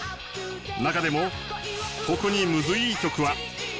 中でも特にムズいい曲は。